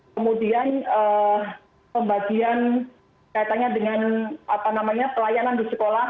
kemudian pembagian katanya dengan apa namanya pelayanan di sekolah